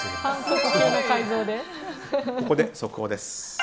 ここで速報です。